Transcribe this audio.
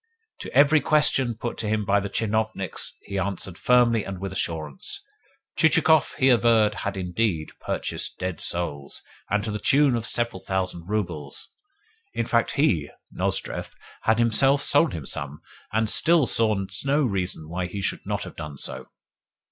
To every question put to him by the tchinovniks he answered firmly and with assurance. Chichikov, he averred, had indeed purchased dead souls, and to the tune of several thousand roubles. In fact, he (Nozdrev) had himself sold him some, and still saw no reason why he should not have done so.